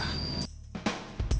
kemana sekar dan juga alina pergi